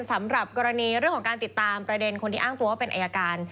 สำหรับกรณีเรื่องของการติดตามประเด็นคนที่อ้างตัวว่าเป็นอายการ